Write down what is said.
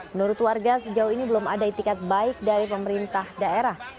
menurut warga sejauh ini belum ada itikat baik dari pemerintah daerah